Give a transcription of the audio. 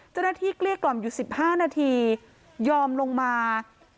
เจ้าหน้าที่เกลี้ยกกล่อมอยู่๑๕นาทียอมลงมา